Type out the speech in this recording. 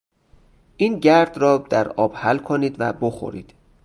این گرد را در آب حل کنید و بخورید.